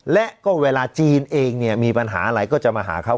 และก็เวลาจีนเองเนี่ยมีปัญหาอะไรก็จะมาหาเขา